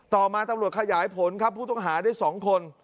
ต่อมาตำรวจขยายผลครับผู้ต้องหาได้๒คน